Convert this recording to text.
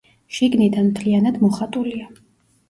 შიგნიდან მთლიანად მოხატულია.